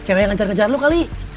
cewek yang ngejar kejar lo kali